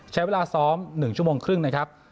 ใช้เวลาซ้อม๑ชั่วโมงครึ่งนะครับ